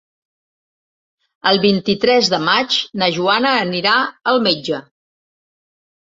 El vint-i-tres de maig na Joana anirà al metge.